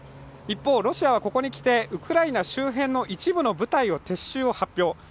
一方ロシアはここにきて、ウクライナ周辺の一部の部隊を撤収を発表。